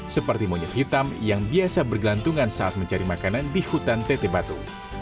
seperti monyet hitam yang biasa bergelantungan saat mencari makanan di hutan teteh batu